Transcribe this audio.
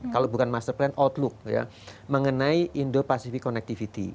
kalau bukan master plan outlook ya mengenai indo pacific connectivity